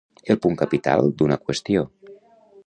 El punt capital d'una qüestió.